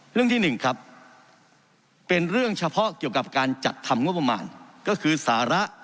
เรื่องที่๑ครับเป็นเรื่องเฉพาะเกี่ยวกับการจัดทำงบประมาณก็คือสาระ